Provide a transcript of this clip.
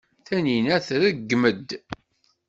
Taninna tṛeggem-d.